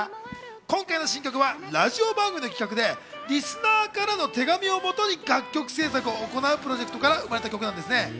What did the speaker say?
今回の新曲はラジオ番組の企画でリスナーからの手紙をもとに、楽曲制作を行うプロジェクトから生まれた作品なんですね。